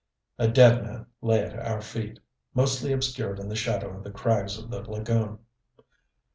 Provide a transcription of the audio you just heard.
A dead man lay at our feet, mostly obscured in the shadow of the crags of the lagoon.